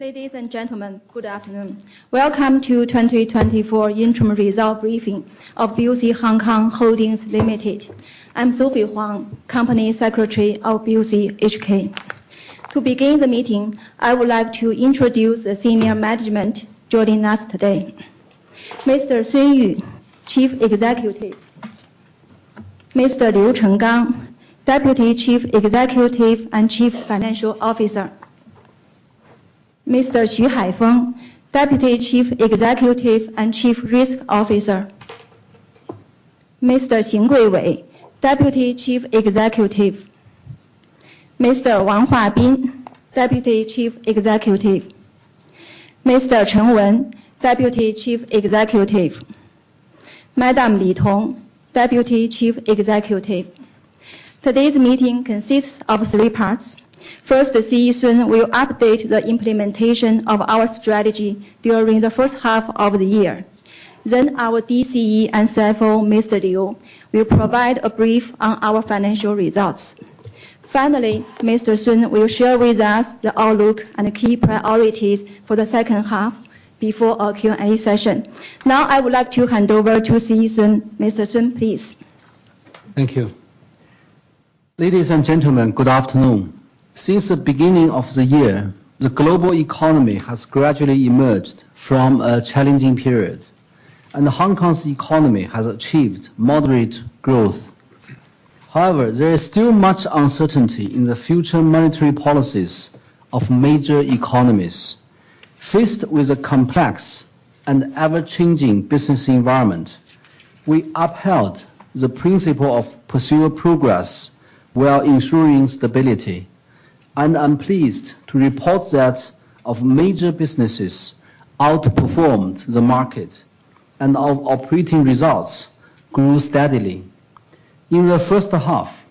Ladies and gentlemen, good afternoon. Welcome to 2024 interim result briefing of BOC Hong Kong Holdings Limited. I'm Sophie Huang, company secretary of BOCHK. To begin the meeting, I would like to introduce the senior management joining us today. Mr. Sun Yu, Chief Executive, Mr. Liu Chenggang, Deputy Chief Executive and Chief Financial Officer, Mr. Xu Haifeng, Deputy Chief Executive and Chief Risk Officer, Mr. Qin Guihui, Deputy Chief Executive, Mr. Wang Huabin, Deputy Chief Executive, Mr. Chen Wen, Deputy Chief Executive, Madam Li Tong, Deputy Chief Executive. Today's meeting consists of three parts. First, Sun Yu will update the implementation of our strategy during the first half of the year. Then our DCE and CFO, Mr. Liu, will provide a brief on our financial results. Finally, Mr. Sun will share with us the outlook and key priorities for the second half before our Q&A session. Now, I would like to hand over to Sun Yu. Mr. Yu, please. Thank you. Ladies and gentlemen, good afternoon. Since the beginning of the year, the global economy has gradually emerged from a challenging period, and Hong Kong's economy has achieved moderate growth. However, there is still much uncertainty in the future monetary policies of major economies. Faced with a complex and ever-changing business environment, we upheld the principle of pursuing progress while ensuring stability, and I'm pleased to report that of major businesses outperformed the market, and our operating results grew steadily. In the first half,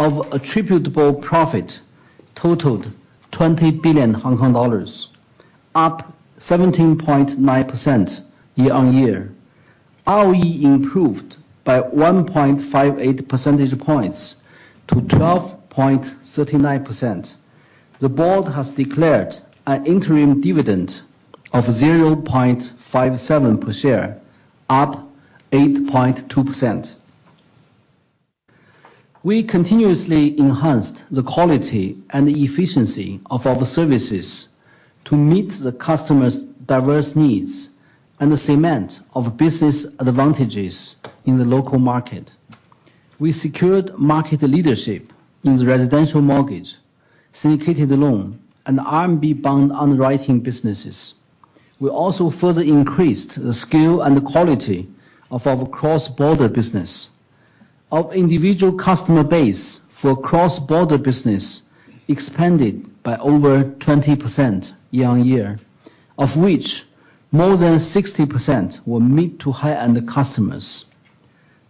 our attributable profit totaled HKD 20 billion, up 17.9% year on year. ROE improved by 1.58 percentage points to 12.39%. The board has declared an interim dividend of 0.57 per share, up 8.2%. We continuously enhanced the quality and efficiency of our services to meet the customers' diverse needs and cement our business advantages in the local market. We secured market leadership in the residential mortgage, syndicated loan, and RMB bond underwriting businesses. We also further increased the scale and the quality of our cross-border business. Our individual customer base for cross-border business expanded by over 20% year on year, of which more than 60% were mid to high-end customers.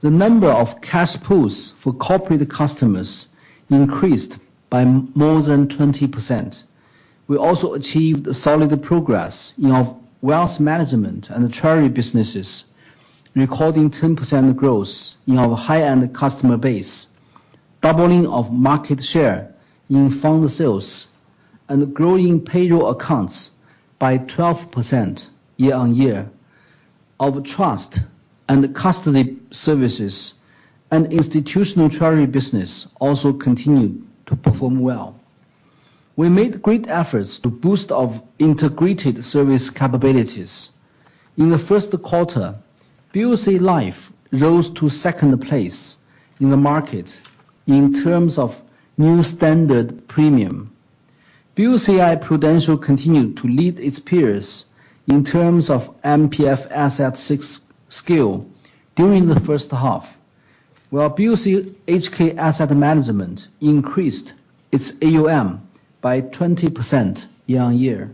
The number of cash pools for corporate customers increased by more than 20%. We also achieved solid progress in our wealth management and treasury businesses, recording 10% growth in our high-end customer base, doubling of market share in fund sales, and growing payroll accounts by 12% year on year. Our trust and custody services and institutional treasury business also continued to perform well. We made great efforts to boost our integrated service capabilities. In the first quarter, BOC Life rose to second place in the market in terms of new standard premium. BOCI Prudential continued to lead its peers in terms of MPF asset six scale during the first half, while BOCHK Asset Management increased its AUM by 20% year on year.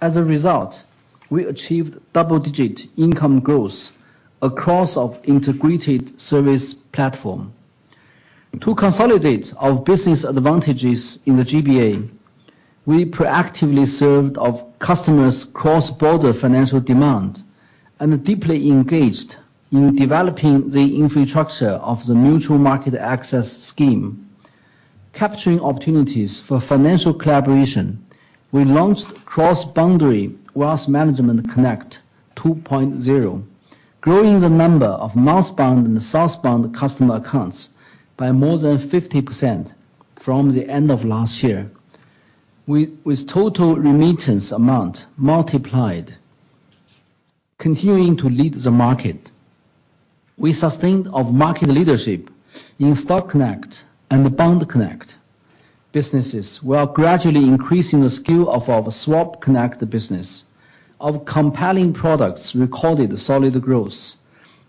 As a result, we achieved double-digit income growth across our integrated service platform. To consolidate our business advantages in the GBA, we proactively served our customers' cross-border financial demand and deeply engaged in developing the infrastructure of the Mutual Market Access scheme. Capturing opportunities for financial collaboration, we launched Cross-boundary Wealth Management Connect 2.0, growing the number of northbound and southbound customer accounts by more than 50% from the end of last year, with total remittance amount multiplied. Continuing to lead the market, we sustained our market leadership in Stock Connect and the Bond Connect businesses. We are gradually increasing the scale of our Swap Connect business. Our compelling products recorded solid growth.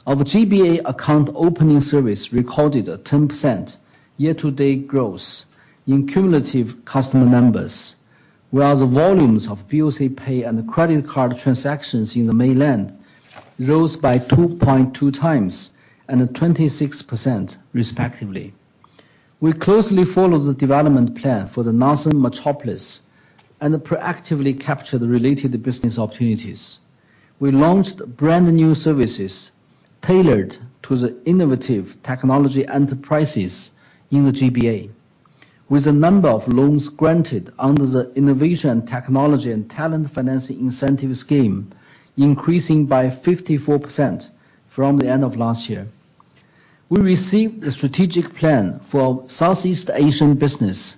Our GBA account opening service recorded a 10% year-to-date growth in cumulative customer numbers, while the volumes of BoC Pay and credit card transactions in the mainland rose by 2.2 times and 26% respectively. We closely followed the development plan for the Northern Metropolis and proactively captured the related business opportunities. We launched brand new services tailored to the innovative technology enterprises in the GBA, with a number of loans granted under the Innovation, Technology, and Talent Financing Incentive Scheme, increasing by 54% from the end of last year. We received the strategic plan for Southeast Asian business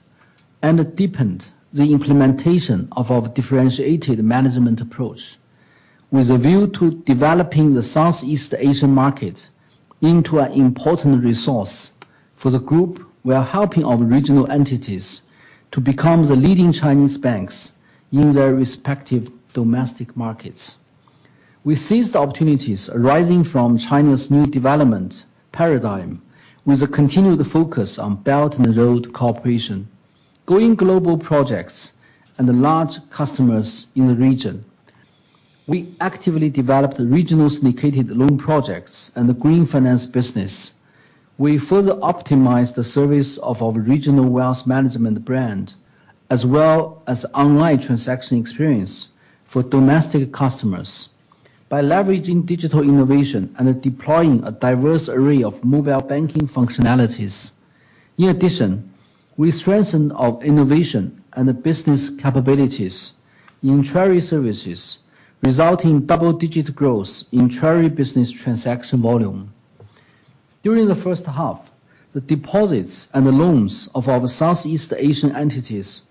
and deepened the implementation of our differentiated management approach, with a view to developing the Southeast Asian market into an important resource for the group. We are helping our regional entities to become the leading Chinese banks in their respective domestic markets. We seized opportunities arising from China's new development paradigm, with a continued focus on Belt and Road cooperation, going global projects, and the large customers in the region. We actively developed regional syndicated loan projects and the green finance business. We further optimized the service of our regional wealth management brand, as well as online transaction experience for domestic customers by leveraging digital innovation and deploying a diverse array of mobile banking functionalities. In addition, we strengthened our innovation and the business capabilities in treasury services, resulting in double-digit growth in treasury business transaction volume. During the first half, the deposits and the loans of our Southeast Asian entities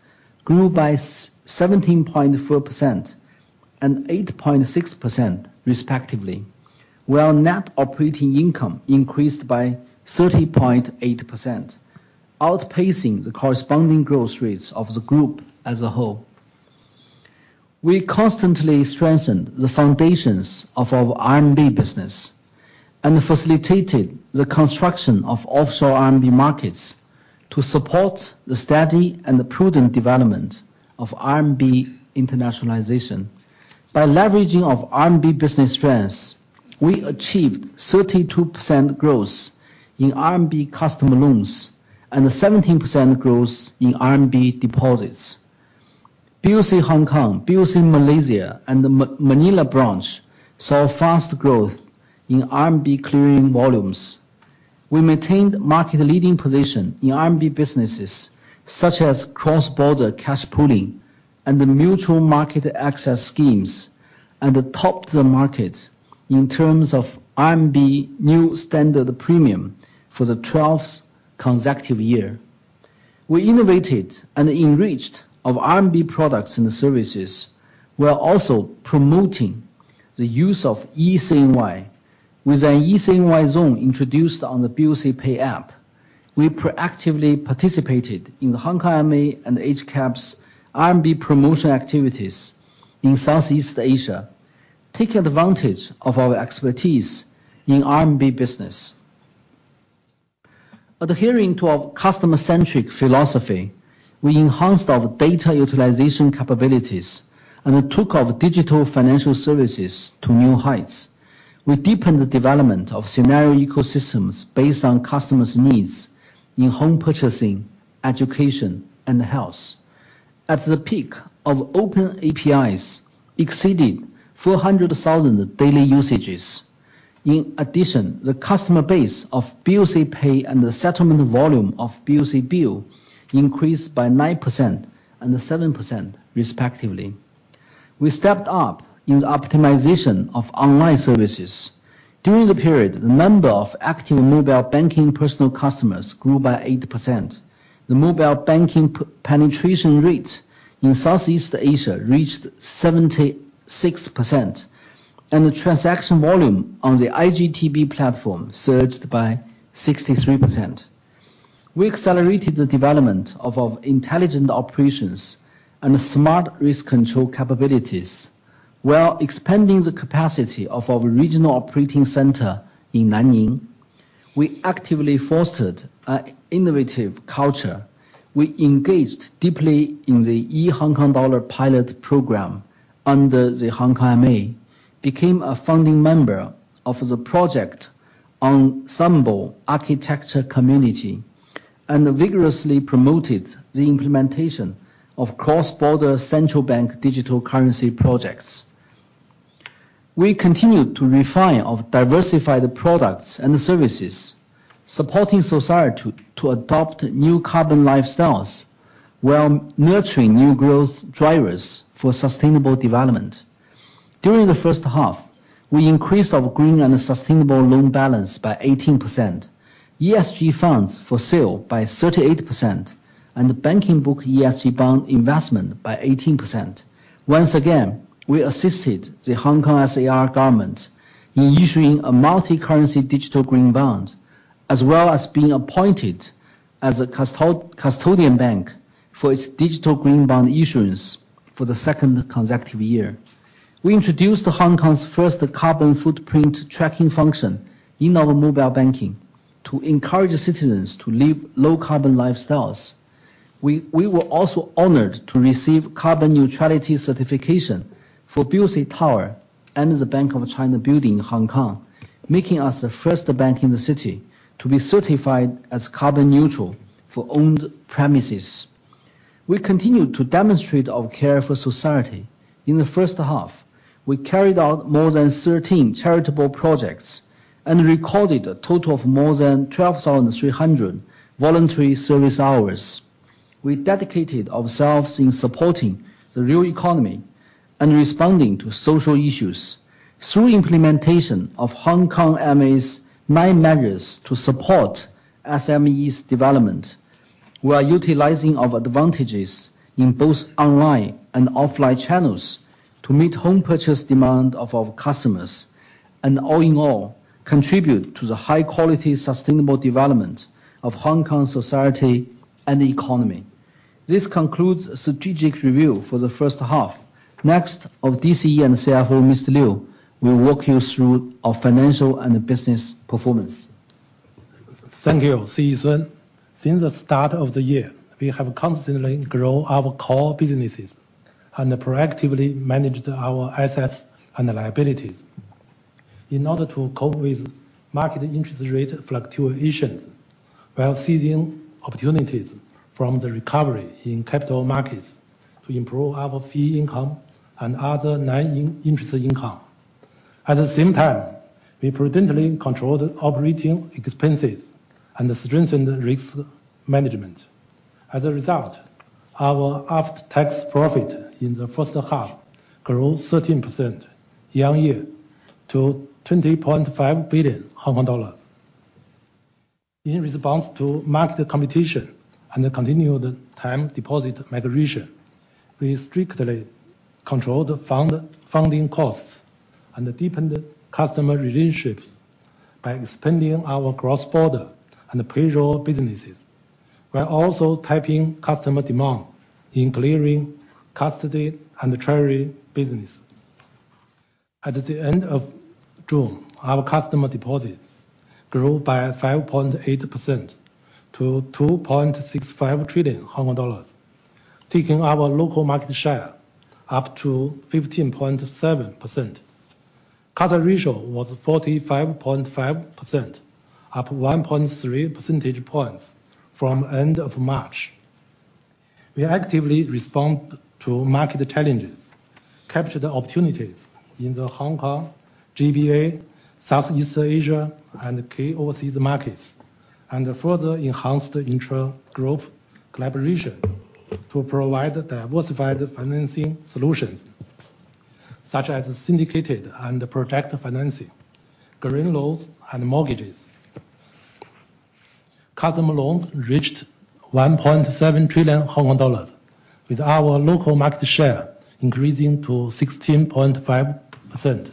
grew by 17.4% and 8.6%, respectively, while net operating income increased by 30.8%, outpacing the corresponding growth rates of the group as a whole. We constantly strengthened the foundations of our RMB business and facilitated the construction of offshore RMB markets to support the steady and the prudent development of RMB internationalization. By leveraging of RMB business strengths, we achieved 32% growth in RMB customer loans and a 17% growth in RMB deposits. BOC Hong Kong, BOC Malaysia, and the Manila branch saw fast growth in RMB clearing volumes. We maintained market leading position in RMB businesses, such as cross-border cash pooling and the mutual market access schemes, and topped the market in terms of RMB new standard premium for the twelfth consecutive year. We innovated and enriched our RMB products and services, while also promoting the use of eCNY, with an eCNY zone introduced on the BOC Pay app. We proactively participated in the HKMA and HKAB's RMB promotion activities in Southeast Asia, taking advantage of our expertise in RMB business. Adhering to our customer-centric philosophy, we enhanced our data utilization capabilities and took our digital financial services to new heights. We deepened the development of scenario ecosystems based on customers' needs in home purchasing, education, and health. At the peak of open APIs, exceeding 400,000 daily usages. In addition, the customer base of BoC Pay and the settlement volume of BoC Bill increased by 9% and 7%, respectively. We stepped up in the optimization of online services. During the period, the number of active mobile banking personal customers grew by 8%. The mobile banking penetration rate in Southeast Asia reached 76%, and the transaction volume on the iGTB platform surged by 63%. We accelerated the development of our intelligent operations and smart risk control capabilities, while expanding the capacity of our regional operating center in Nanning. We actively fostered an innovative culture. We engaged deeply in the e-Hong Kong Dollar Pilot Program under the HKMA, became a founding member of the Project Ensemble architecture community, and vigorously promoted the implementation of cross-border central bank digital currency projects. We continued to refine our diversified products and services, supporting society to adopt new carbon lifestyles while nurturing new growth drivers for sustainable development. During the first half, we increased our green and sustainable loan balance by 18%, ESG funds for sale by 38%, and banking book ESG bond investment by 18%. Once again, we assisted the Hong Kong SAR government in issuing a multi-currency digital green bond, as well as being appointed as a custodian bank for its digital green bond issuance for the second consecutive year. We introduced Hong Kong's first carbon footprint tracking function in our mobile banking to encourage citizens to live low-carbon lifestyles. We were also honored to receive carbon neutrality certification for BOC Tower and the Bank of China Building in Hong Kong, making us the first bank in the city to be certified as carbon neutral for owned premises. We continue to demonstrate our care for society. In the first half, we carried out more than 13 charitable projects, and recorded a total of more than 12,300 voluntary service hours. We dedicated ourselves in supporting the real economy and responding to social issues through implementation of HKMA's nine measures to support SMEs development. We are utilizing our advantages in both online and offline channels to meet home purchase demand of our customers, and all in all, contribute to the high quality, sustainable development of Hong Kong society and the economy. This concludes strategic review for the first half. Next, our DCE and CFO, Mr. Liu will walk you through our financial and business performance. Thank you, Sun Yu. Since the start of the year, we have constantly grown our core businesses and proactively managed our assets and liabilities. In order to cope with market interest rate fluctuations while seizing opportunities from the recovery in capital markets to improve our fee income and other non-interest income. At the same time, we prudently controlled operating expenses and strengthened risk management. As a result, our after-tax profit in the first half grew 13% year on year to 20.5 billion Hong Kong dollars. In response to market competition and the continued time deposit migration, we strictly controlled funding costs and deepened customer relationships by expanding our cross-border and payroll businesses, while also tapping customer demand in clearing, custody, and treasury business. At the end of June, our customer deposits grew by 5.8% to 2.65 trillion Hong Kong dollars, taking our local market share up to 15.7%. CASA ratio was 45.5%, up 1.3 percentage points from end of March. We actively respond to market challenges, capture the opportunities in the Hong Kong, GBA, Southeast Asia, and key overseas markets, and further enhanced the intra-group collaboration to provide diversified financing solutions, such as syndicated and project financing, green loans, and mortgages. Customer loans reached 1.7 trillion Hong Kong dollars, with our local market share increasing to 16.5%.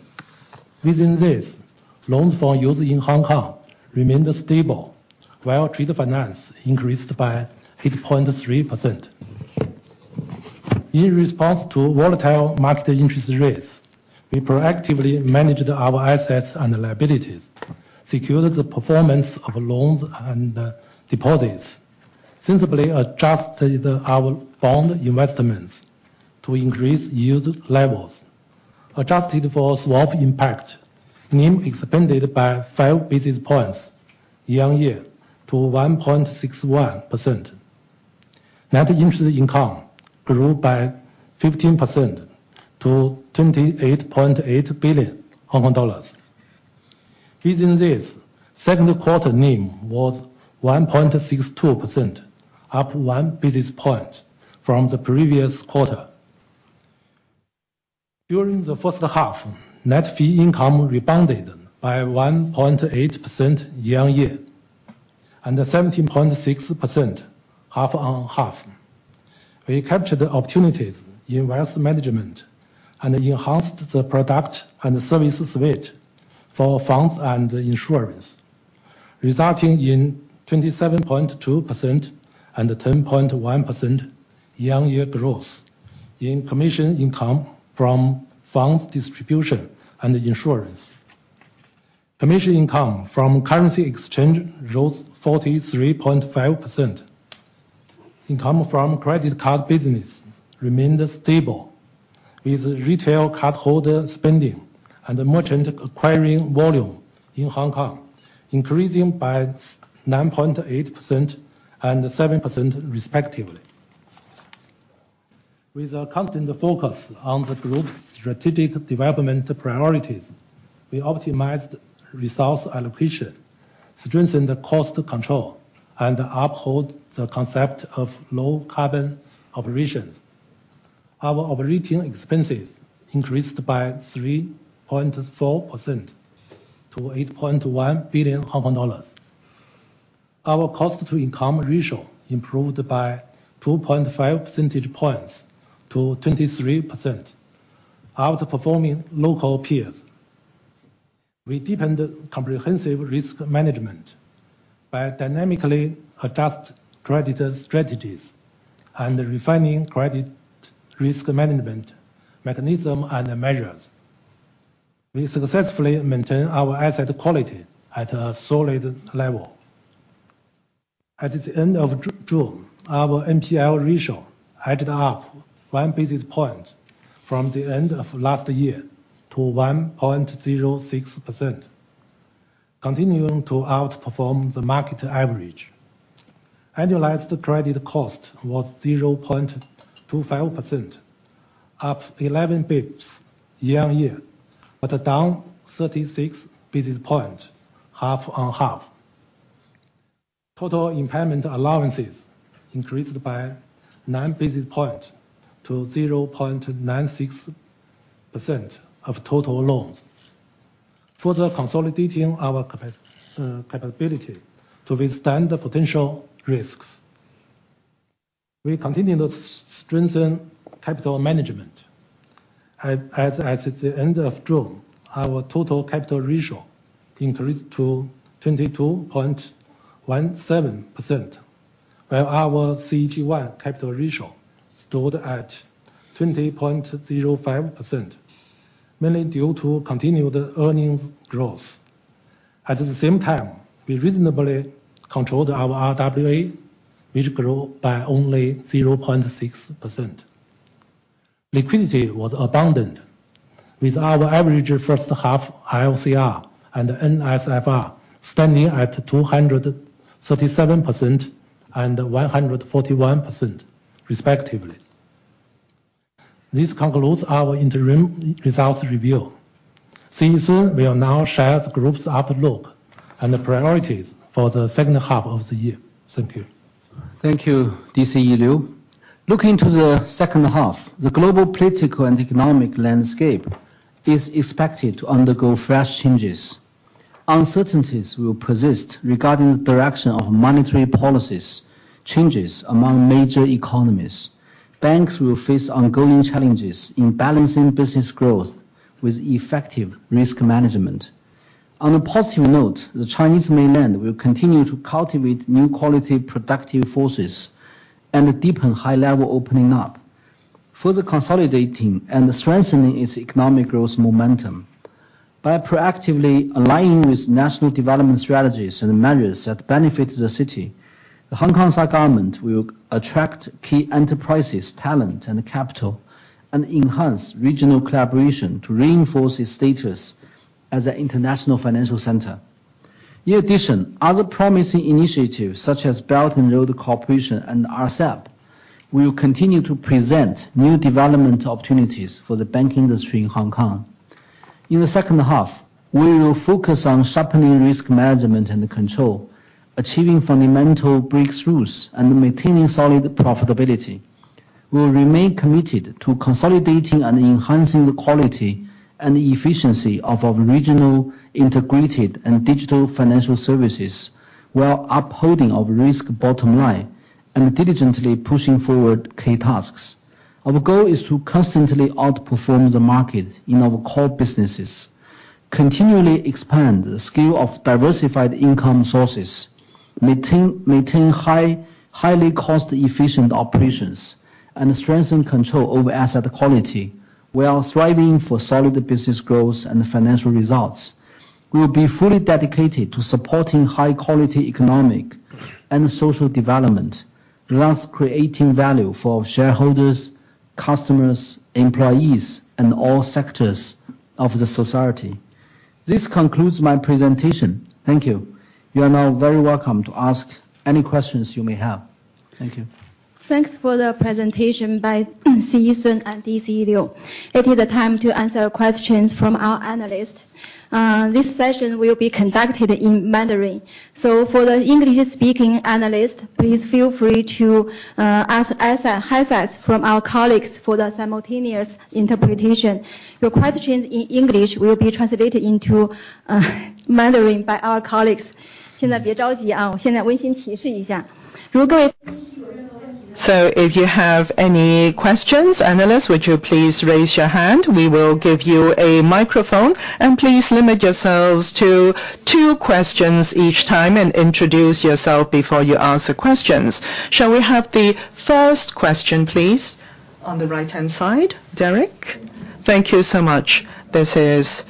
Within this, loans for use in Hong Kong remained stable, while trade finance increased by 8.3%. In response to volatile market interest rates, we proactively managed our assets and liabilities, secured the performance of loans and deposits, sensibly adjusted our bond investments to increase yield levels. Adjusted for swap impact, NIM expanded by 5 basis points year on year to 1.61%. Net interest income grew by 15% to 28.8 billion Hong Kong dollars. Within this, second quarter NIM was 1.62%, up 1 basis point from the previous quarter. During the first half, net fee income rebounded by 1.8% year on year, and 17.6% half on half. We captured the opportunities in wealth management and enhanced the product and service suite for funds and insurance, resulting in 27.2% and 10.1% year on year growth in commission income from funds distribution and insurance. Commission income from currency exchange rose 43.5%. Income from credit card business remained stable, with retail cardholder spending and merchant acquiring volume in Hong Kong increasing by 9.8% and 7% respectively. With a constant focus on the group's strategic development priorities, we optimized resource allocation, strengthened the cost control, and uphold the concept of low carbon operations. Our operating expenses increased by 3.4% to HKD 8.1 billion. Our cost-to-income ratio improved by 2.5 percentage points to 23%, outperforming local peers. We deepened comprehensive risk management by dynamically adjust credit strategies and refining credit risk management mechanism and measures. We successfully maintained our asset quality at a solid level. At the end of June, our NPL ratio added up one basis point from the end of last year to 1.06%, continuing to outperform the market average. Annualized credit cost was 0.25%, up eleven basis points year-on-year, but down thirty-six basis points half-on-half. Total impairment allowances increased by nine basis points to 0.96% of total loans, further consolidating our capability to withstand the potential risks. We continue to strengthen capital management. As at the end of June, our total capital ratio increased to 22.17%, while our CET1 capital ratio stood at 20.05%, mainly due to continued earnings growth. At the same time, we reasonably controlled our RWA, which grew by only 0.6%. Liquidity was abundant, with our average first half LCR and NSFR standing at 237% and 141% respectively. This concludes our interim results review. Sun Yu will now share the group's outlook and the priorities for the second half of the year. Thank you. Thank you, DCE Liu. Looking to the second half, the global political and economic landscape is expected to undergo fresh changes. Uncertainties will persist regarding the direction of monetary policies, changes among major economies. Banks will face ongoing challenges in balancing business growth with effective risk management. On a positive note, the Chinese Mainland will continue to cultivate New Quality Productive Forces and deepen high-level opening up, further consolidating and strengthening its economic growth momentum. By proactively aligning with national development strategies and measures that benefit the city, the Hong Kong SAR government will attract key enterprises, talent, and capital, and enhance regional collaboration to reinforce its status as an international financial center. In addition, other promising initiatives, such as Belt and Road Initiative and RCEP, will continue to present new development opportunities for the banking industry in Hong Kong. In the second half, we will focus on sharpening risk management and control, achieving fundamental breakthroughs, and maintaining solid profitability. We'll remain committed to consolidating and enhancing the quality and efficiency of our regional, integrated, and digital financial services, while upholding our risk bottom line and diligently pushing forward key tasks. Our goal is to constantly outperform the market in our core businesses, continually expand the scale of diversified income sources, maintain highly cost-efficient operations, and strengthen control over asset quality, while striving for solid business growth and financial results. We will be fully dedicated to supporting high quality economic and social development, thus creating value for our shareholders, customers, employees, and all sectors of the society. This concludes my presentation. Thank you. You are now very welcome to ask any questions you may have. Thank you. Thanks for the presentation by CE Sun and DCE Liu. It is the time to answer questions from our analysts. This session will be conducted in Mandarin, so for the English-speaking analysts, please feel free to ask headsets from our colleagues for the simultaneous interpretation. Your questions in English will be translated into Mandarin by our colleagues. So if you have any questions, analysts, would you please raise your hand? We will give you a microphone, and please limit yourselves to two questions each time, and introduce yourself before you ask the questions. Shall we have the first question, please? On the right-hand side, Derek. Thank you so much. This is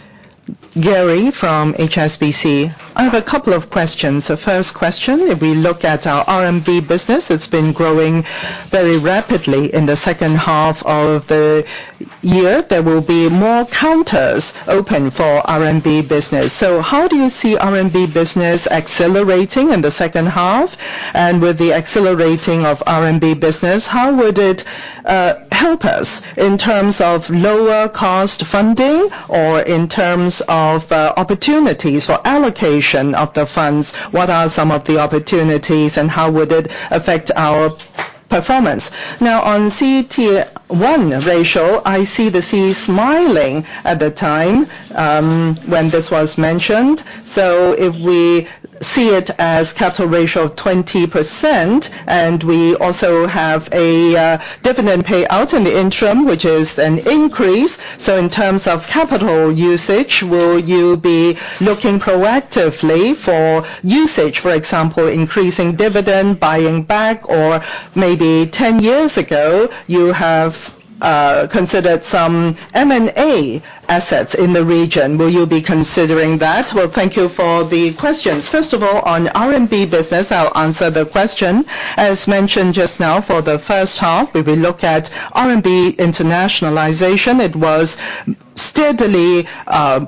Gary from HSBC. I have a couple of questions. The first question, if we look at our RMB business, it's been growing very rapidly in the second half of the year. There will be more counters open for RMB business. So how do you see RMB business accelerating in the second half? And with the accelerating of RMB business, how would it help us in terms of lower cost funding or in terms of opportunities for allocation of the funds? What are some of the opportunities, and how would it affect our performance? Now, on CET1 ratio, I see the CE smiling at the time, when this was mentioned. So if we see it as capital ratio of 20%, and we also have a dividend payout in the interim, which is an increase, so in terms of capital usage, will you be looking proactively for usage? For example, increasing dividend, buying back, or maybe 10 years ago, you have considered some M&A assets in the region. Will you be considering that? Thank you for the questions. First of all, on RMB business, I'll answer the question. As mentioned just now, for the first half, if we look at RMB internationalization, it was steadily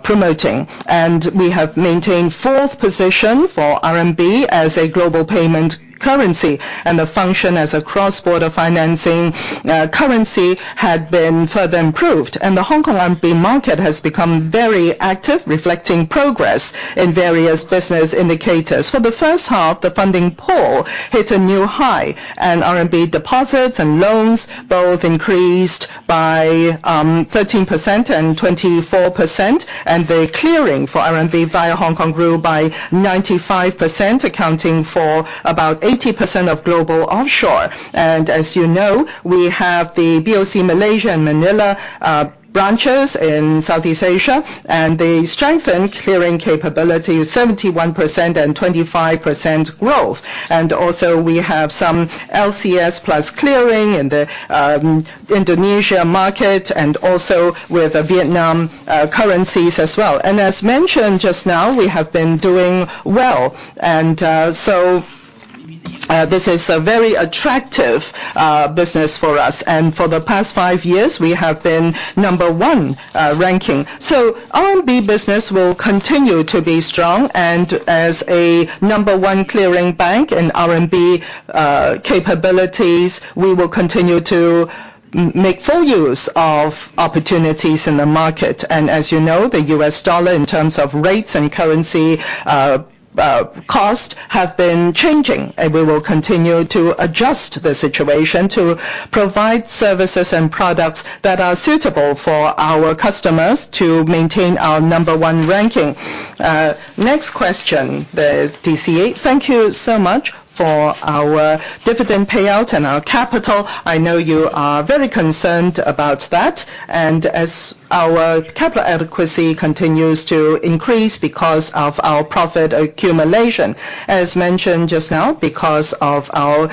promoting, and we have maintained fourth position for RMB as a global payment currency, and the function as a cross-border financing currency had been further improved. And the Hong Kong RMB market has become very active, reflecting progress in various business indicators. For the first half, the funding pool hit a new high, and RMB deposits and loans both increased by 13% and 24%, and the clearing for RMB via Hong Kong grew by 95%, accounting for about 80% of global offshore. And as you know, we have the BOC Malaysia and Manila branches in Southeast Asia, and they strengthen clearing capability 71% and 25% growth. And also, we have some LCS plus clearing in the Indonesia market and also with the Vietnam currencies as well. As mentioned just now, we have been doing well, and so this is a very attractive business for us. For the past five years, we have been number one ranking. RMB business will continue to be strong, and as a number one clearing bank in RMB capabilities, we will continue to make full use of opportunities in the market. As you know, the US dollar in terms of rates and currency cost have been changing, and we will continue to adjust the situation to provide services and products that are suitable for our customers to maintain our number one ranking. Next question, the DCA. Thank you so much for our dividend payout and our capital. I know you are very concerned about that. And as our capital adequacy continues to increase because of our profit accumulation, as mentioned just now, because of our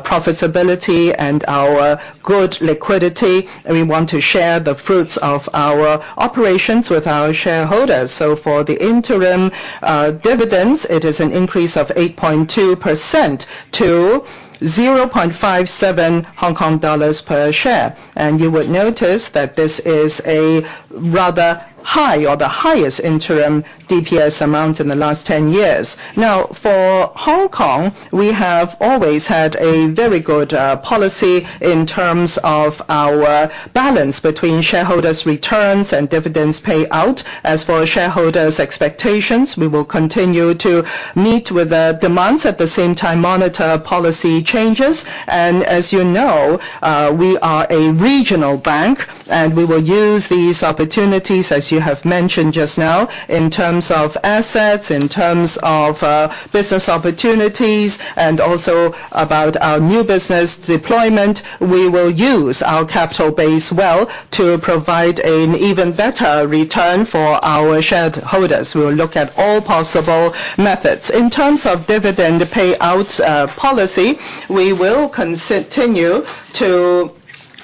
profitability and our good liquidity, and we want to share the fruits of our operations with our shareholders. So for the interim dividends, it is an increase of 8.2% to 0.57 Hong Kong dollars per share. And you would notice that this is a rather high or the highest interim DPS amount in the last 10 years. Now, for Hong Kong, we have always had a very good policy in terms of our balance between shareholders' returns and dividends payout. As for shareholders' expectations, we will continue to meet with the demands, at the same time monitor policy changes. And as you know, we are a regional bank, and we will use these opportunities, as you have mentioned just now, in terms of assets, in terms of business opportunities, and also about our new business deployment. We will use our capital base well to provide an even better return for our shareholders. We will look at all possible methods. In terms of dividend payouts policy, we will continue to.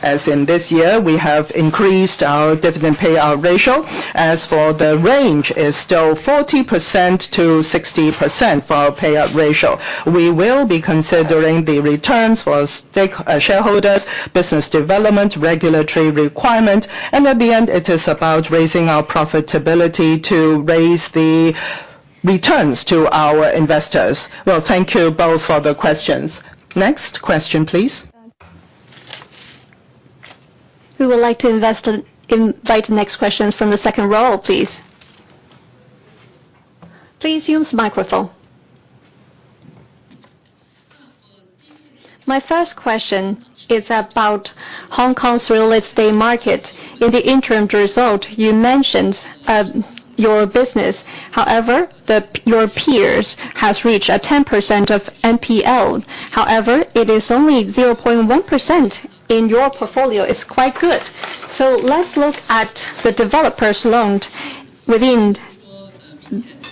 As in this year, we have increased our dividend payout ratio. As for the range, it is still 40%-60% for our payout ratio. We will be considering the returns for stakeholders, business development, regulatory requirement, and at the end, it is about raising our profitability to raise the returns to our investors. Well, thank you both for the questions. Next question, please. We would like to invite the next question from the second row, please. Please use microphone. My first question is about Hong Kong's real estate market. In the interim result, you mentioned your business; however, your peers has reached a 10% of NPL. However, it is only 0.1% in your portfolio; it's quite good. So let's look at the developers' loan within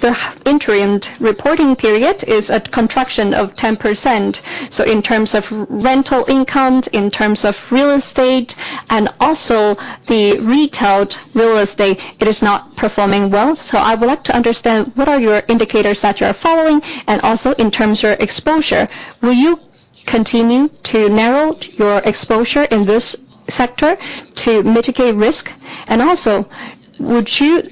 the interim reporting period is a contraction of 10%. So in terms of rental income, in terms of real estate, and also the retail real estate, it is not performing well. So I would like to understand what are your indicators that you are following? And also in terms of your exposure, will you continue to narrow your exposure in this sector to mitigate risk? And also, would you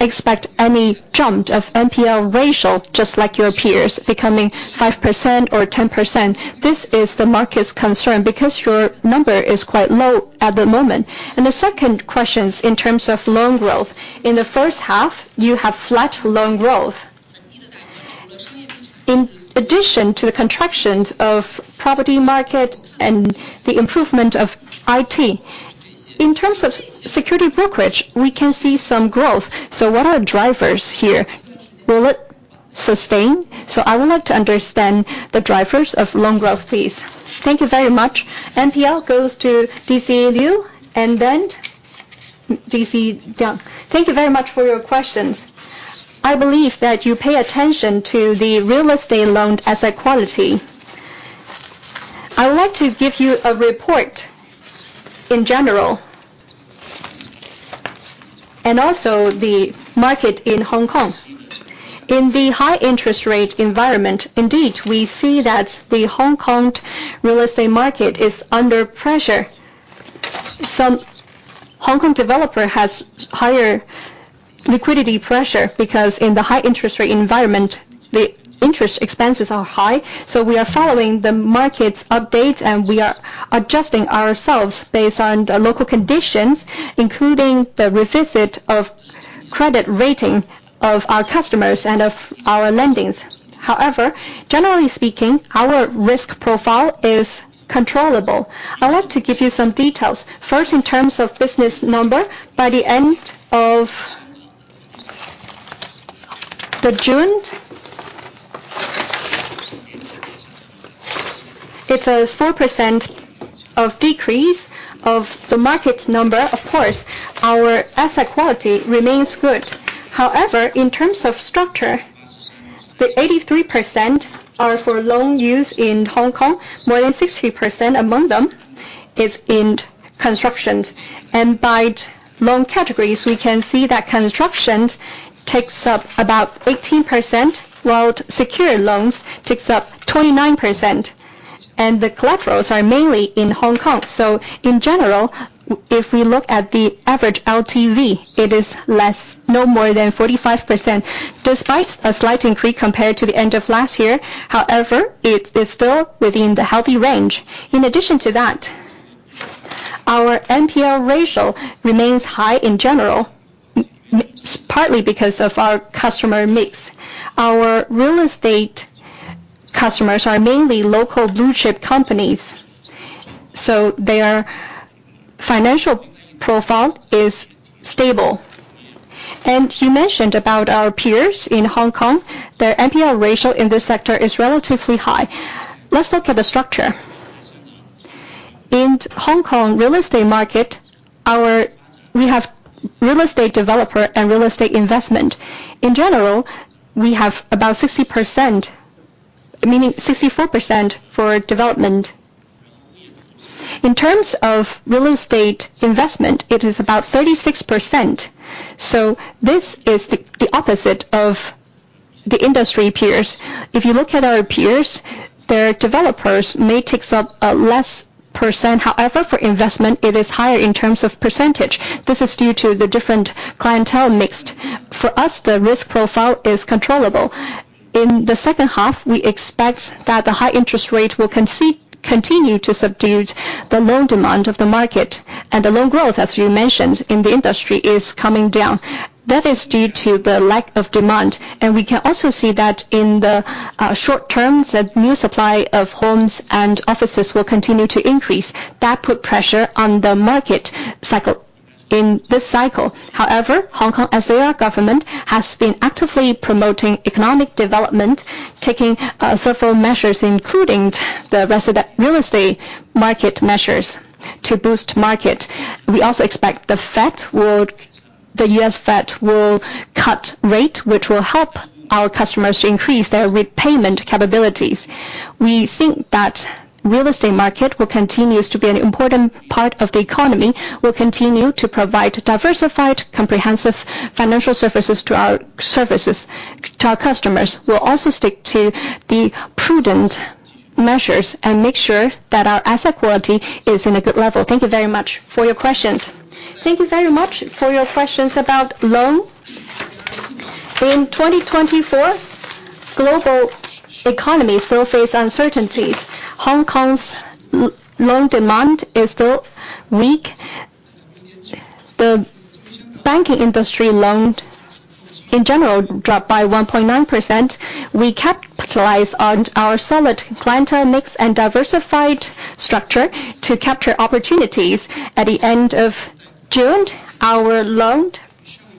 expect any jump of NPL ratio, just like your peers, becoming 5% or 10%? This is the market's concern, because your number is quite low at the moment. And the second question is in terms of loan growth. In the first half, you have flat loan growth. In addition to the contractions of property market and the improvement of IT, in terms of security brokerage, we can see some growth. So what are drivers here? Will it sustain? So I would like to understand the drivers of loan growth, please. Thank you very much. NPL goes to DCE Liu and then DCE Wang. Thank you very much for your questions. I believe that you pay attention to the real estate loan asset quality. I would like to give you a report in general and also the market in Hong Kong.In the high interest rate environment, indeed, we see that the Hong Kong real estate market is under pressure. Some Hong Kong developer has higher liquidity pressure, because in the high interest rate environment, the interest expenses are high. So we are following the market's updates, and we are adjusting ourselves based on the local conditions, including the revisit of credit rating of our customers and of our lendings. However, generally speaking, our risk profile is controllable. I want to give you some details. First, in terms of business number, by the end of June, it's a 4% of decrease of the market number. Of course, our asset quality remains good. However, in terms of structure, the 83% are for loan use in Hong Kong. More than 60% among them is in construction. By loan categories, we can see that construction takes up about 18%, while secured loans takes up 29%, and the collaterals are mainly in Hong Kong. So in general, if we look at the average LTV, it is less, no more than 45%, despite a slight increase compared to the end of last year, however, it is still within the healthy range. In addition to that, our NPL ratio remains high in general, partly because of our customer mix. Our real estate customers are mainly local blue chip companies, so their financial profile is stable. And you mentioned about our peers in Hong Kong. Their NPL ratio in this sector is relatively high. Let's look at the structure. In Hong Kong real estate market, our we have real estate developer and real estate investment.In general, we have about 60%, meaning 64% for development. In terms of real estate investment, it is about 36%, so this is the opposite of the industry peers. If you look at our peers, their developers may takes up a less percent. However, for investment, it is higher in terms of percentage. This is due to the different clientele mix. For us, the risk profile is controllable. In the second half, we expect that the high interest rate will continue to subdue the loan demand of the market. And the loan growth, as you mentioned, in the industry, is coming down. That is due to the lack of demand, and we can also see that in the short term, the new supply of homes and offices will continue to increase. That put pressure on the market cycle in this cycle. However, Hong Kong, as their government, has been actively promoting economic development, taking several measures, including the rest of the real estate market measures to boost market. We also expect the Fed will... The US Fed will cut rate, which will help our customers to increase their repayment capabilities. We think that real estate market will continue to be an important part of the economy. We'll continue to provide diversified, comprehensive financial services to our services, to our customers. We'll also stick to the prudent measures and make sure that our asset quality is in a good level. Thank you very much for your questions. Thank you very much for your questions about loans. In twenty twenty-four, global economy still face uncertainties. Hong Kong's loan demand is still weak. The banking industry loan, in general, dropped by 1.9%. We capitalize on our solid clientele mix and diversified structure to capture opportunities. At the end of June, our loan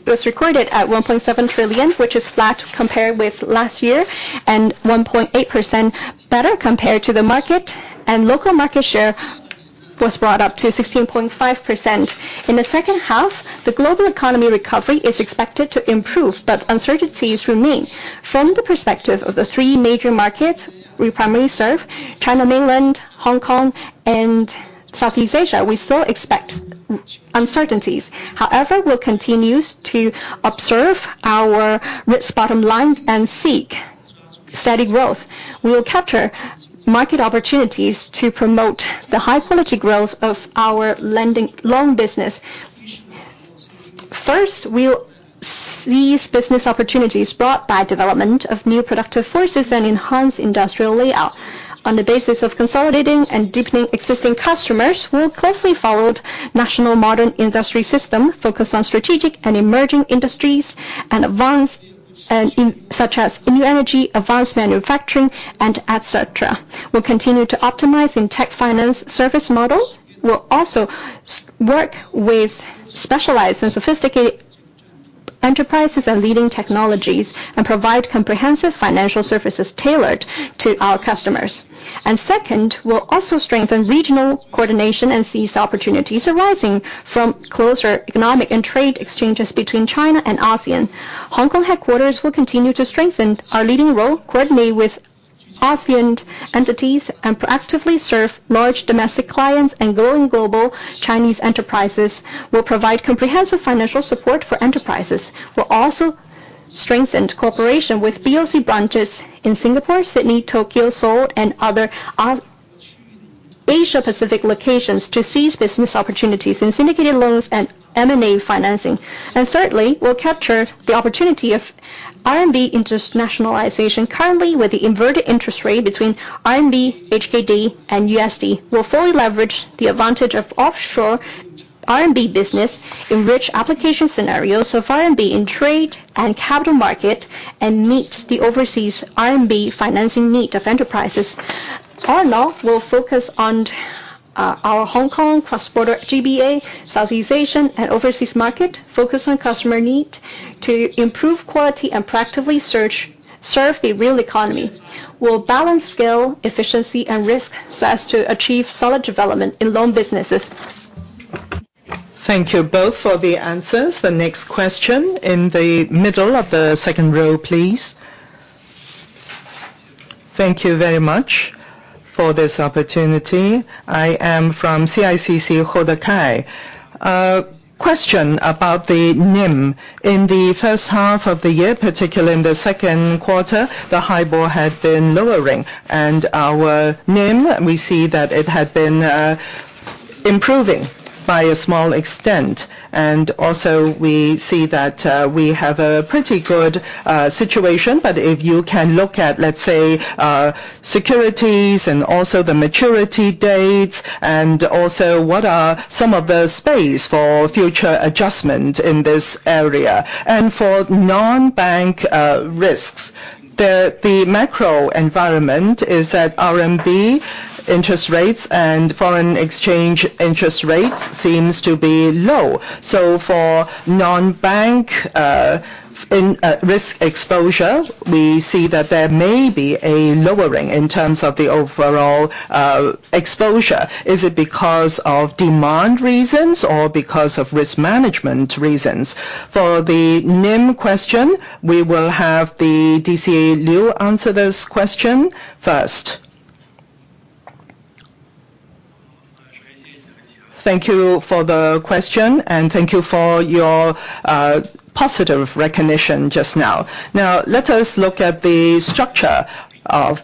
was recorded at 1.7 trillion, which is flat compared with last year, and 1.8% better compared to the market, and local market share was brought up to 16.5%. In the second half, the global economy recovery is expected to improve, but uncertainties remain. From the perspective of the three major markets we primarily serve, China mainland, Hong Kong, and Southeast Asia, we still expect uncertainties. However, we'll continue to observe our risk bottom line and seek steady growth. We will capture market opportunities to promote the high-quality growth of our loan business. First, we'll seize business opportunities brought by development of new productive forces and enhance industrial layout. On the basis of consolidating and deepening existing customers, we'll closely follow national modern industry system, focus on strategic and emerging industries such as new energy, advanced manufacturing, and et cetera. We'll continue to optimize in tech finance service model. We'll also work with specialized and sophisticated enterprises and leading technologies, and provide comprehensive financial services tailored to our customers. Second, we'll also strengthen regional coordination and seize opportunities arising from closer economic and trade exchanges between China and ASEAN. Hong Kong headquarters will continue to strengthen our leading role, coordinate with... ASEAN entities and proactively serve large domestic clients and growing global Chinese enterprises will provide comprehensive financial support for enterprises. We'll also strengthen cooperation with BOC branches in Singapore, Sydney, Tokyo, Seoul, and other Asia Pacific locations to seize business opportunities in syndicated loans and M&A financing. And thirdly, we'll capture the opportunity of RMB internationalization. Currently, with the inverted interest rate between RMB, HKD, and USD, we'll fully leverage the advantage of offshore RMB business, enrich application scenarios of RMB in trade and capital market, and meet the overseas RMB financing need of enterprises. Our loan will focus on our Hong Kong cross-border GBA, Southeast Asian, and overseas market, focus on customer need to improve quality and proactively serve the real economy. We'll balance scale, efficiency, and risk so as to achieve solid development in loan businesses. Thank you both for the answers. The next question in the middle of the second row, please. Thank you very much for this opportunity. I am from CICC, Hou Dekai. Question about the NIM. In the first half of the year, particularly in the second quarter, the HIBOR had been lowering, and our NIM, we see that it had been improving by a small extent. And also, we see that we have a pretty good situation. But if you can look at, let's say, securities and also the maturity dates, and also what are some of the space for future adjustment in this area? And for non-bank risks, the macro environment is that RMB interest rates and foreign exchange interest rates seems to be low. So for non-bank in risk exposure, we see that there may be a lowering in terms of the overall exposure. Is it because of demand reasons or because of risk management reasons? For the NIM question, we will have the DCE Liu answer this question first. Thank you for the question, and thank you for your positive recognition just now. Now, let us look at the structure of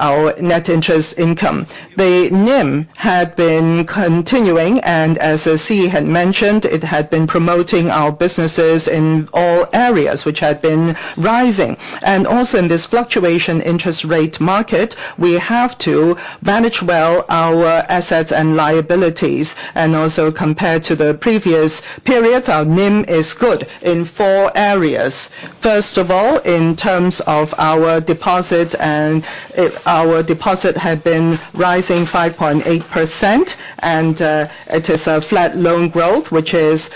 our net interest income. The NIM had been continuing, and as Xie had mentioned, it had been promoting our businesses in all areas, which had been rising. And also, in this fluctuation interest rate market, we have to manage well our assets and liabilities. And also, compared to the previous periods, our NIM is good in four areas. First of all, in terms of our deposit, and it, our deposit had been rising 5.8%, and it is a flat loan growth, which is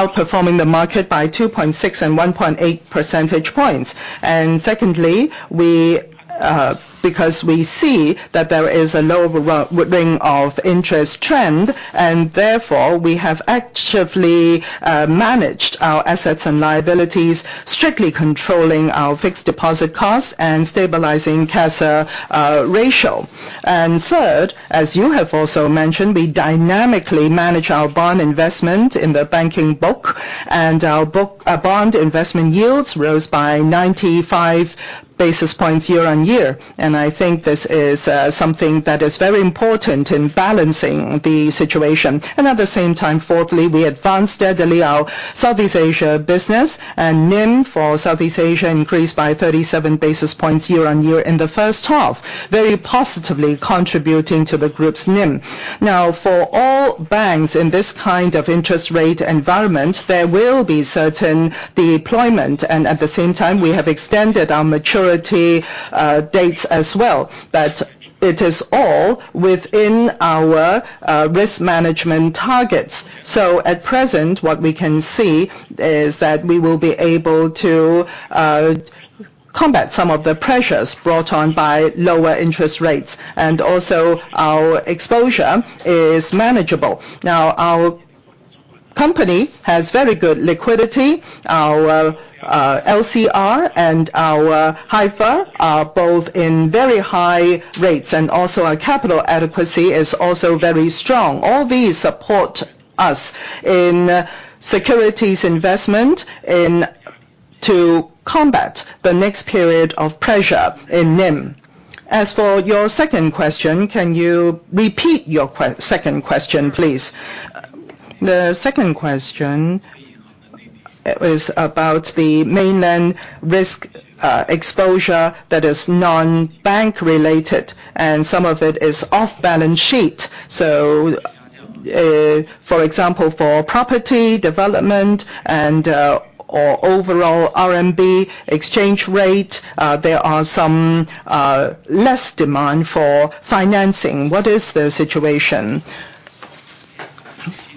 outperforming the market by 2.6 and 1.8 percentage points. And secondly, we, because we see that there is a lowering of interest trend, and therefore, we have actively, managed our assets and liabilities, strictly controlling our fixed deposit costs and stabilizing CASA ratio. And third, as you have also mentioned, we dynamically manage our bond investment in the banking book, and our bond investment yields rose by 95 basis points year on year, and I think this is, something that is very important in balancing the situation. And at the same time, fourthly, we advanced steadily our Southeast Asia business, and NIM for Southeast Asia increased by 37 basis points year on year in the first half, very positively contributing to the group's NIM. Now, for all banks in this kind of interest rate environment, there will be certain deployment, and at the same time, we have extended our maturity dates as well. But it is all within our risk management targets. So at present, what we can see is that we will be able to combat some of the pressures brought on by lower interest rates, and also our exposure is manageable. Now, our company has very good liquidity. Our LCR and our NSFR are both in very high rates, and also our capital adequacy is also very strong. All these support us in securities investment to combat the next period of pressure in NIM. As for your second question, can you repeat your second question, please? The second question is about the mainland risk exposure that is non-bank related, and some of it is off balance sheet. So, for example, for property development and or overall RMB exchange rate, there are some less demand for financing. What is the situation?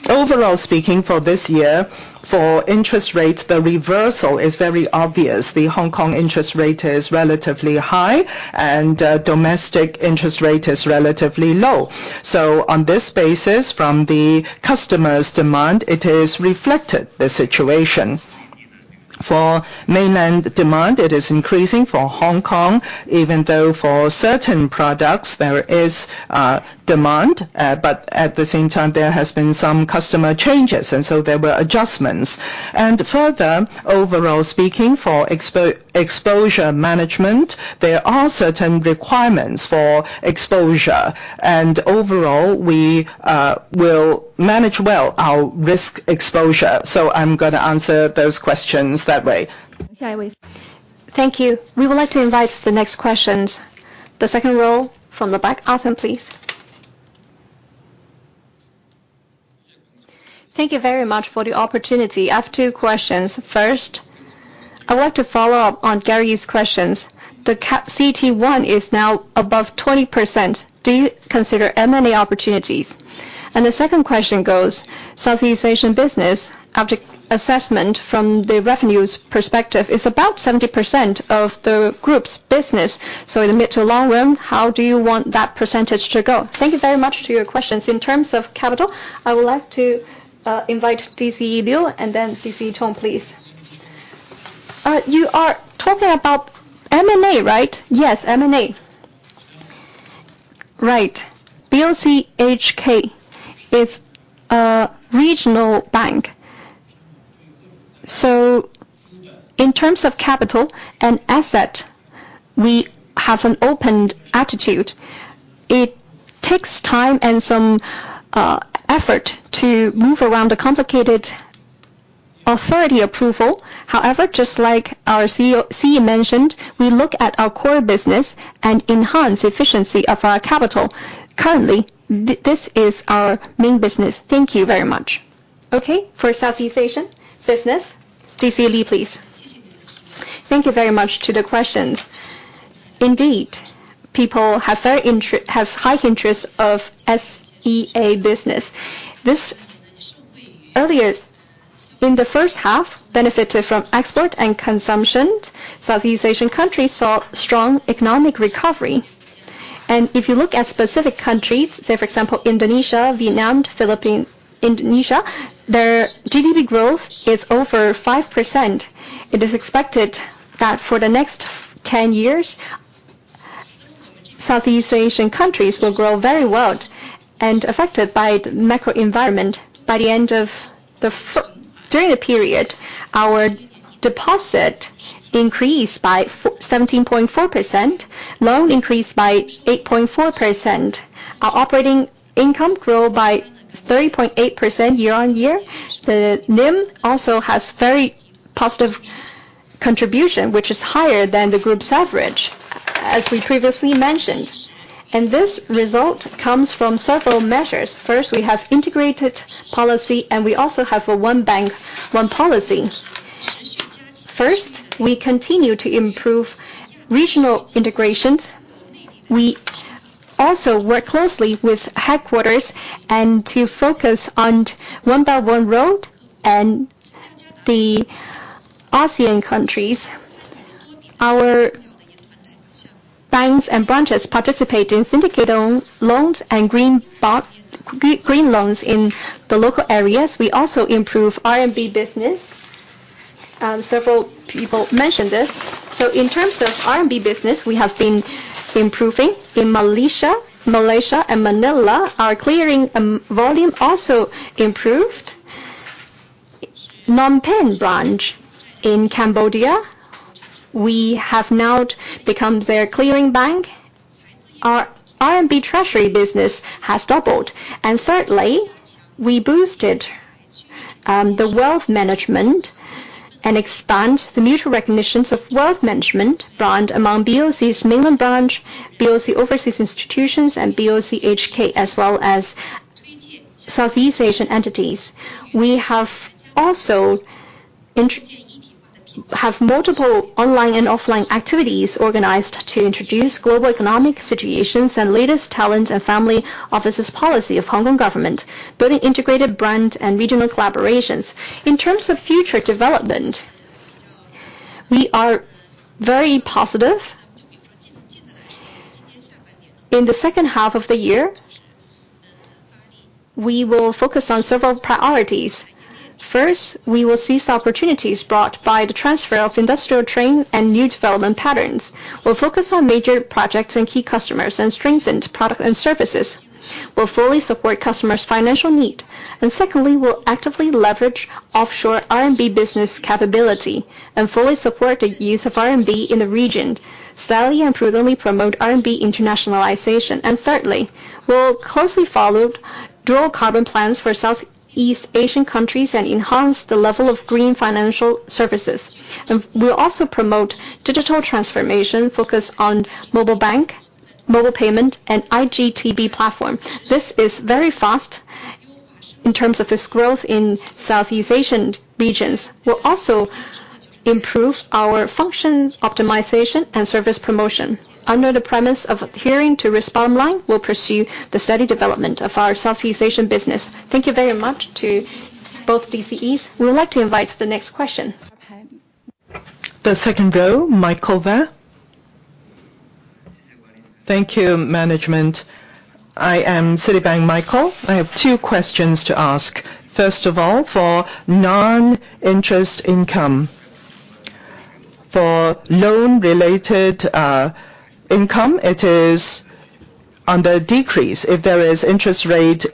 Overall speaking, for this year, for interest rates, the reversal is very obvious. The Hong Kong interest rate is relatively high, and domestic interest rate is relatively low. So on this basis, from the customers' demand, it is reflected the situation for mainland demand; it is increasing for Hong Kong, even though for certain products there is demand, but at the same time there has been some customer changes, and so there were adjustments. Further, overall speaking, for exposure management, there are certain requirements for exposure, and overall, we will manage well our risk exposure. So I'm gonna answer those questions that way. Thank you. We would like to invite the next questions. The second row from the back, ask them, please. Thank you very much for the opportunity. I have two questions. First, I want to follow up on Gary's questions. The CET1 is now above 20%. Do you consider M&A opportunities? And the second question goes, Southeast Asian business, after assessment from the revenues perspective, is about 70% of the group's business. So in the mid to long run, how do you want that percentage to go? Thank you very much for your questions. In terms of capital, I would like to invite DCE Liu, and then DCE Tong, please. You are talking about M&A, right? Yes, M&A. Right. BOCHK is a regional bank, so in terms of capital and asset, we have an open attitude. It takes time and some effort to move around a complicated authority approval. However, just like our CEO, CE mentioned, we look at our core business and enhance efficiency of our capital. Currently, this is our main business. Thank you very much. Okay, for Southeast Asian business, DCE Li, please. Thank you very much to the questions. Indeed, people have very high interest of SEA business. This, earlier, in the first half, benefited from export and consumption, Southeast Asian countries saw strong economic recovery, and if you look at specific countries, say, for example, Indonesia, Vietnam, Philippines. Indonesia, their GDP growth is over 5%. It is expected that for the next 10 years, Southeast Asian countries will grow very well and affected by the macro environment. By the end of the period, our deposit increased by 17.4%, loan increased by 8.4%. Our operating income grew by 30.8% year on year. The NIM also has very positive contribution, which is higher than the group's average, as we previously mentioned, and this result comes from several measures. First, we have integrated policy, and we also have a one bank, one policy. First, we continue to improve regional integrations. We also work closely with headquarters and to focus on One Belt One Road and the ASEAN countries. Our banks and branches participate in syndicated loans and green loans in the local areas. We also improve RMB business, and several people mentioned this. So in terms of RMB business, we have been improving. In Malaysia and Manila, our clearing volume also improved. Phnom Penh branch in Cambodia, we have now become their clearing bank. Our RMB treasury business has doubled. And thirdly, we boosted the wealth management and expand the mutual recognitions of wealth management brand among BOC's mainland branch, BOC overseas institutions, and BOCHK, as well as Southeast Asian entities. We have also have multiple online and offline activities organized to introduce global economic situations and latest talent and family offices policy of Hong Kong government, building integrated brand and regional collaborations. In terms of future development, we are very positive. In the second half of the year, we will focus on several priorities. First, we will seize opportunities brought by the transfer of industrial training and new development patterns. We'll focus on major projects and key customers and strengthen product and services. We'll fully support customers' financial need. Secondly, we'll actively leverage offshore RMB business capability and fully support the use of RMB in the region, steadily and prudently promote RMB internationalization. Thirdly, we'll closely follow dual carbon plans for Southeast Asian countries and enhance the level of green financial services. We'll also promote digital transformation, focus on mobile bank, mobile payment, and IGTB platform. This is very fast in terms of its growth in Southeast Asian regions. We'll also improve our functions, optimization, and service promotion. Under the premise of adhering to risk control, we'll pursue the steady development of our Southeast Asian business. Thank you very much to both DCEs. We would like to invite the next question. Okay. The second row, Michael Chang. Thank you, management. I'm Michael from Citibank. I have two questions to ask. First of all, for non-interest income, for loan-related income, it is under decrease. If there is interest rate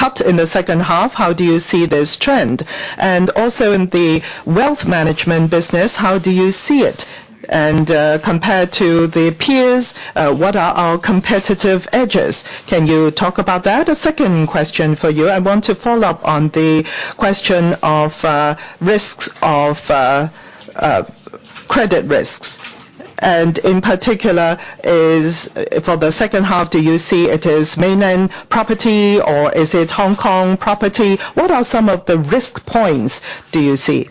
cut in the second half, how do you see this trend? And also in the wealth management business, how do you see it? And, compared to the peers, what are our competitive edges? Can you talk about that? A second question for you, I want to follow up on the question of risks of credit risks, and in particular, for the second half, do you see it is mainland property or is it Hong Kong property? What are some of the risk points do you see?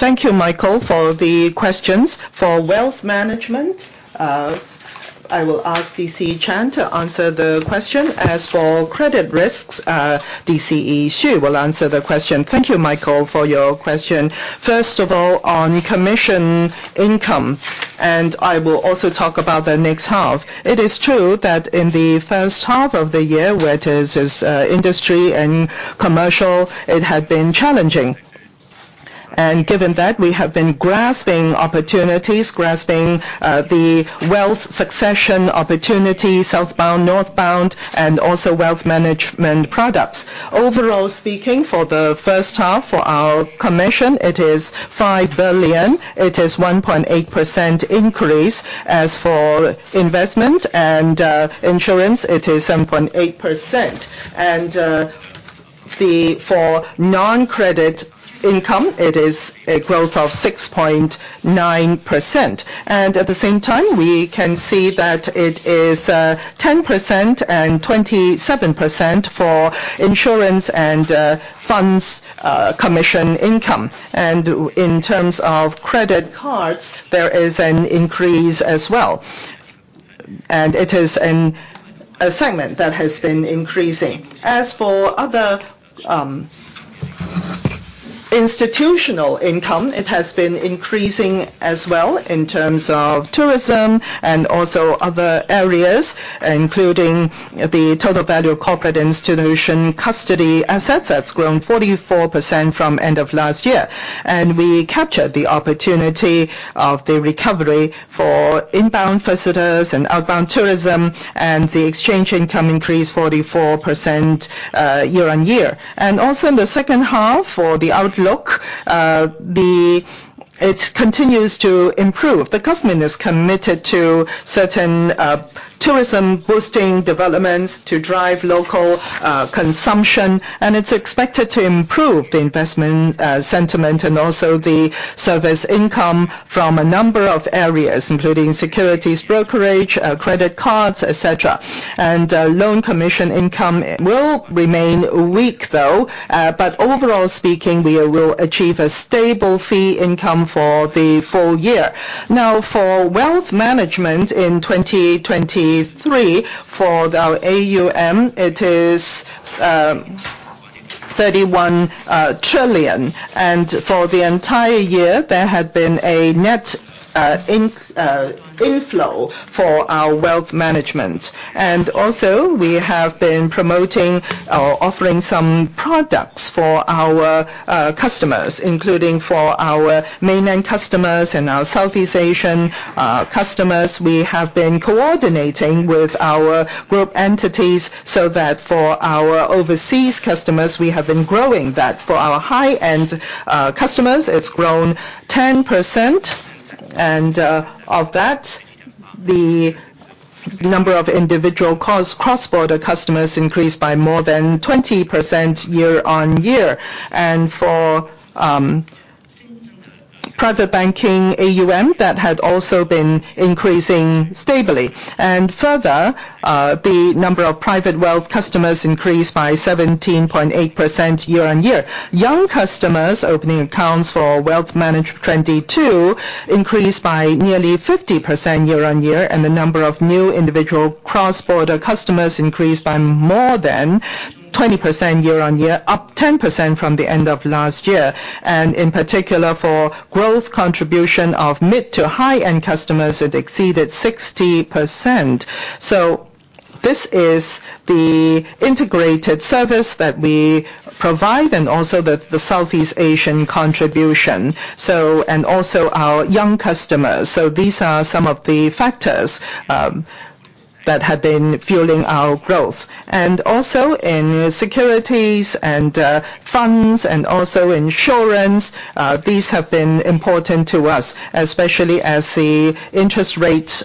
Thank you, Michael, for the questions. For wealth management, I will ask DCE Chen to answer the question. As for credit risks, DCE Xu will answer the question. Thank you, Michael, for your question. First of all, on commission income, and I will also talk about the next half. It is true that in the first half of the year, whether it is industry and commercial, it had been challenging, and given that, we have been grasping opportunities, grasping the wealth succession opportunity, southbound, northbound, and also wealth management products. Overall speaking, for the first half, for our commission, it is 5 billion. It is 1.8% increase. As for investment and insurance, it is 7.8%, and for non-credit income, it is a growth of 6.9%. At the same time, we can see that it is 10% and 27% for insurance and funds commission income. In terms of credit cards, there is an increase as well, and it is a segment that has been increasing. As for other institutional income, it has been increasing as well in terms of tourism and also other areas, including the total value of corporate institutional custody assets. That's grown 44% from end of last year. We captured the opportunity of the recovery for inbound visitors and outbound tourism, and the exchange income increased 44% year on year. Also in the second half, for the outlook, it continues to improve. The government is committed to certain tourism-boosting developments to drive local consumption, and it's expected to improve the investment sentiment and also the service income from a number of areas, including securities, brokerage, credit cards, et cetera, and loan commission income will remain weak, though, but overall speaking, we will achieve a stable fee income for the full year. Now, for wealth management in 2023, for our AUM, it is HK$31 trillion, and for the entire year there had been a net inflow for our wealth management, and also we have been promoting or offering some products for our customers, including for our mainland customers and our Southeast Asian customers. We have been coordinating with our group entities so that for our overseas customers, we have been growing that. For our high-end customers, it's grown 10%, and of that, the number of individual cross-border customers increased by more than 20% year on year. And for private banking AUM, that had also been increasing stably. And further, the number of private wealth customers increased by 17.8% year on year. Young customers opening accounts for wealth management 2022 increased by nearly 50% year on year, and the number of new individual cross-border customers increased by more than 20% year on year, up 10% from the end of last year. And in particular, for growth contribution of mid to high-end customers, it exceeded 60%. So this is the integrated service that we provide and also the Southeast Asian contribution, so, and also our young customers. So these are some of the factors that have been fueling our growth. And also in securities and, funds and also insurance, these have been important to us, especially as the interest rates,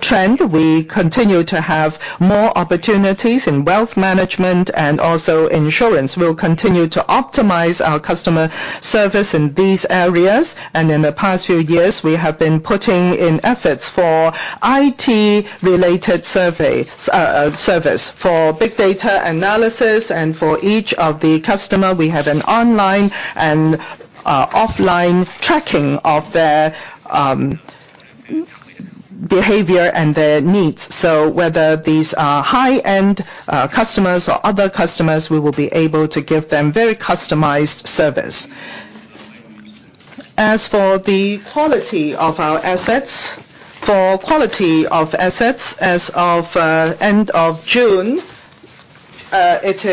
trend. We continue to have more opportunities in wealth management, and also insurance. We'll continue to optimize our customer service in these areas, and in the past few years, we have been putting in efforts for IT-related survey, service. For big data analysis and for each of the customer, we have an online and, offline tracking of their, behavior and their needs. So whether these are high-end, customers or other customers, we will be able to give them very customized service. As for the quality of our assets, for quality of assets as of end of June, it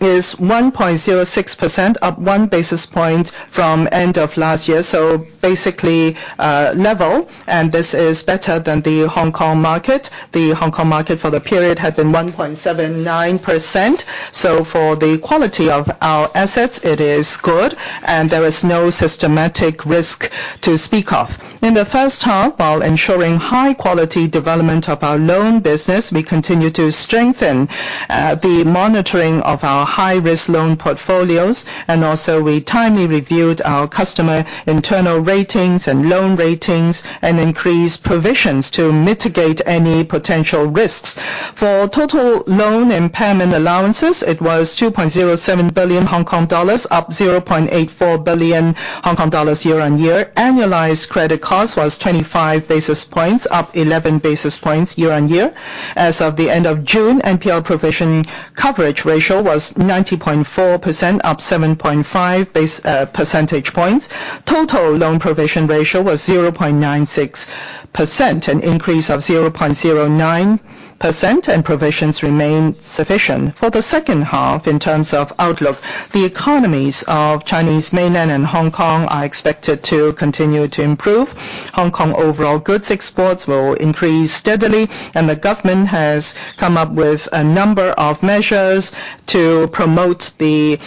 is the NPL is 1.06%, up one basis point from end of last year. So basically, level, and this is better than the Hong Kong market. The Hong Kong market for the period had been 1.79%. So for the quality of our assets, it is good, and there is no systematic risk to speak of. In the first half, while ensuring high quality development of our loan business, we continue to strengthen the monitoring of our high-risk loan portfolios, and also we timely reviewed our customer internal ratings and loan ratings, and increased provisions to mitigate any potential risks. For total loan impairment allowances, it was 2.07 billion Hong Kong dollars, up 0.84 billion Hong Kong dollars year-on-year. Annualized credit cost was 25 basis points, up 11 basis points year-on-year. As of the end of June, NPL provision coverage ratio was 90.4%, up 7.5 percentage points. Total loan provision ratio was 0.96%, an increase of 0.09%, and provisions remain sufficient. For the second half, in terms of outlook, the economies of Chinese Mainland and Hong Kong are expected to continue to improve. Hong Kong overall goods exports will increase steadily, and the government has come up with a number of measures to promote the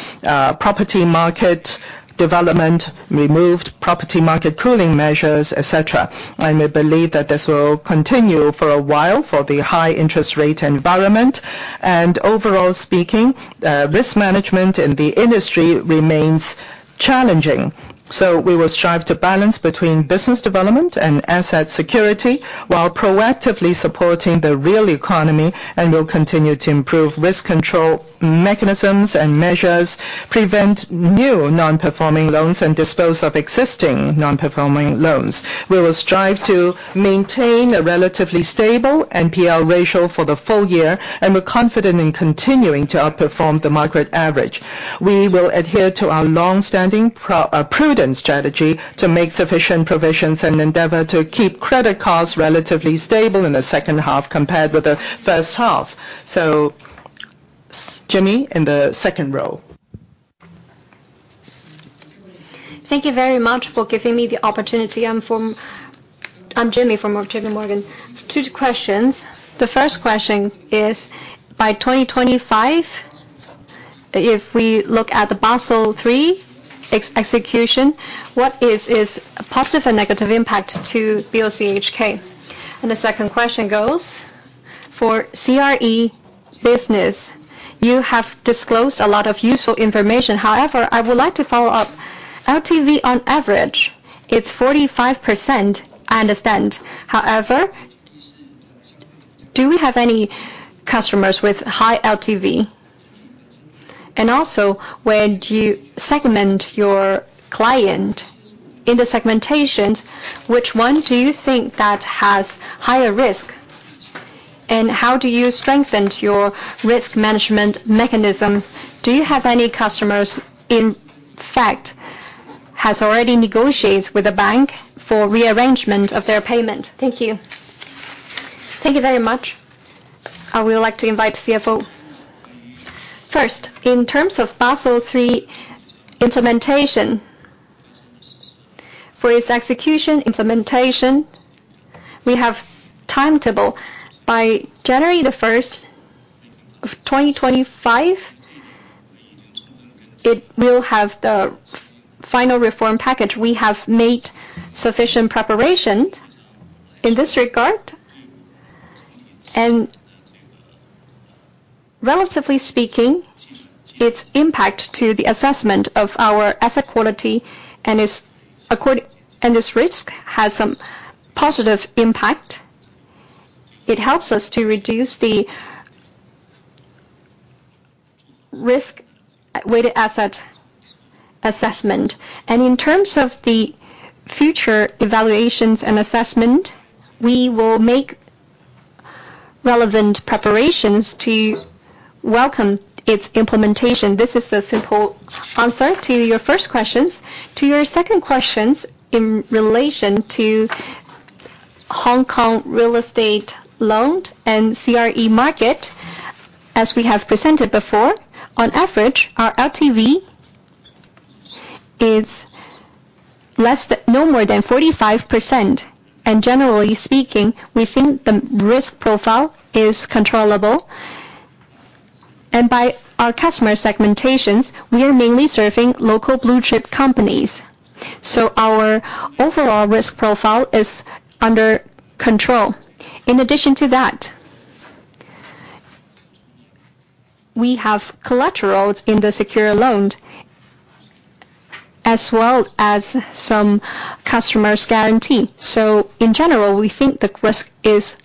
property market development, removed property market cooling measures, et cetera. And we believe that this will continue for a while for the high interest rate environment. And overall speaking, risk management in the industry remains challenging. So we will strive to balance between business development and asset security, while proactively supporting the real economy, and will continue to improve risk control mechanisms and measures, prevent new non-performing loans, and dispose of existing non-performing loans. We will strive to maintain a relatively stable NPL ratio for the full year, and we're confident in continuing to outperform the market average. We will adhere to our long-standing prudent strategy to make sufficient provisions, and endeavor to keep credit costs relatively stable in the second half compared with the first half. So Jemmy, in the second row. Thank you very much for giving me the opportunity. I'm from... I'm Jemmy Huang from J.P. Morgan. Two questions. The first question is, by 2025, if we look at the Basel III execution, what is its positive and negative impact to BOCHK? And the second question goes, for CRE business, you have disclosed a lot of useful information. However, I would like to follow up. LTV, on average, it's 45%, I understand. However, do we have any customers with high LTV? And also, when you segment your client in the segmentations, which one do you think that has higher risk? And how do you strengthen your risk management mechanism? Do you have any customers, in fact, has already negotiated with the bank for rearrangement of their payment? Thank you. Thank you very much. I would like to invite CFO. First, in terms of Basel III implementation, for its execution implementation, we have timetable. By January the first of 2025, it will have the final reform package. We have made sufficient preparation in this regard, and relatively speaking, its impact to the assessment of our asset quality and its risk has some positive impact. It helps us to reduce the risk-weighted asset assessment. In terms of the future evaluations and assessment, we will make relevant preparations to welcome its implementation. This is the simple answer to your first questions. To your second questions in relation to Hong Kong real estate loan and CRE market, as we have presented before, on average, our LTV is less than, no more than 45%. Generally speaking, we think the risk profile is controllable. And by our customer segmentations, we are mainly serving local blue-chip companies, so our overall risk profile is under control. In addition to that, we have collaterals in the secured loan, as well as some customers' guarantee. So in general, we think the risk is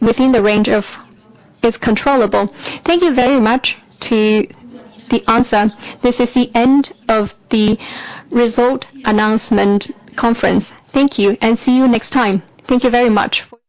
within the range of it's controllable. Thank you very much to the answer. This is the end of the result announcement conference. Thank you, and see you next time. Thank you very much.